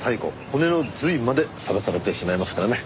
骨の髄までさらされてしまいますからね。